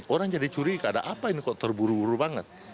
orang jadi curiga ada apa ini kok terburu buru banget